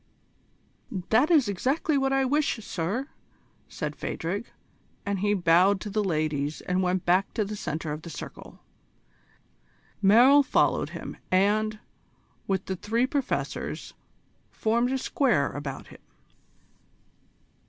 "That is exactly what I wish, sir," said Phadrig, as he bowed to the ladies and went back to the centre of the circle. Merrill followed him, and, with the three Professors, formed a square about him.